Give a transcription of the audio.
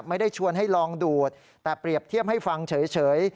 ไม่ได้ชวนให้ลองดูดแต่เปรียบเทียบให้ฟังเฉย